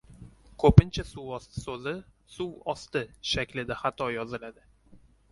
Ko‘pincha suvosti so‘zi suv osti shaklida xato yoziladi.